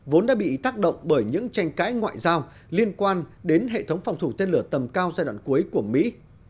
vốn đã bị tác động bởi những tranh cãi ngoại giao liên quan đến hệ thống phòng thủ tên lửa tầm cao giai đoạn cuối của mỹ